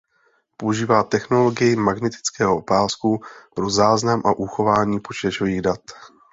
Používá technologii magnetického pásku pro záznam a uchování počítačových dat.